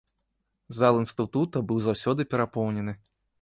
Зал інстытута быў заўсёды перапоўнены.